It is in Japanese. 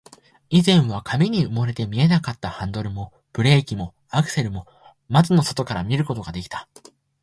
以前は紙に埋もれて見えなかったハンドルも、ブレーキも、アクセルも、窓の外から見ることができた